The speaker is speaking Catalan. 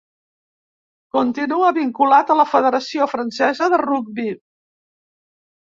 Continua vinculat a la Federació Francesa de Rugbi.